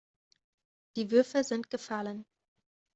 Die Würfel sind gefallen.